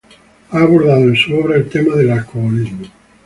Ha abordado en su obra el tema del alcoholismo.